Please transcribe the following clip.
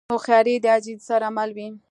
هوښیاري د عاجزۍ سره مل وي.